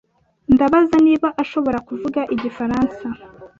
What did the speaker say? Ndabaza niba ashobora kuvuga igifaransa.